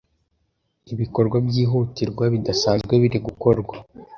Ibikorwa byihutirwa bidasanzwe biri gukorwa